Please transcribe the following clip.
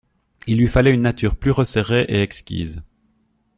Il lui fallait une nature plus resserrée et exquise.